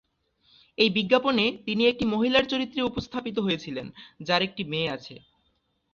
এই বিজ্ঞাপনে তিনি একটি মহিলার চরিত্রে উপস্থিত হয়েছিলেন, যার একটি মেয়ে আছে।